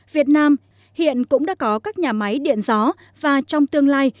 việt nam hiện cũng đã có các nhà máy điện gió và trong tương lai